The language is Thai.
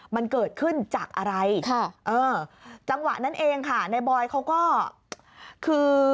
มันเกิดขึ้นจากอะไรค่ะเออจังหวะนั้นเองค่ะในบอยเขาก็คือ